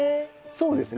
そうですね